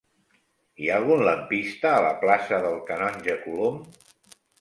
Hi ha algun lampista a la plaça del Canonge Colom?